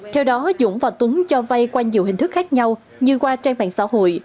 theo đó dũng và tuấn cho vay qua nhiều hình thức khác nhau như qua trang mạng xã hội